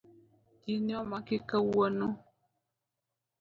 Ji ne omaki kawuono.